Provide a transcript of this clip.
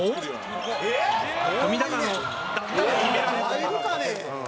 入るかね？